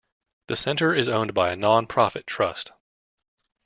The centre is owned by a non-profit trust.